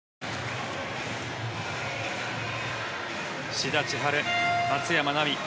志田千陽・松山奈未